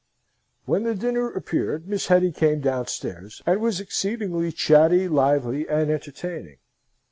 When the dinner appeared. Miss Hetty came downstairs, and was exceedingly chatty, lively, and entertaining.